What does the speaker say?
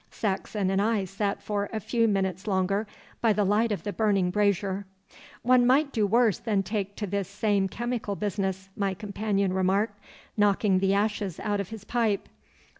Saxon and I sat for a few minutes longer by the light of the burning brazier. 'One might do worse than take to this same chemical business,' my companion remarked, knocking the ashes out of his pipe.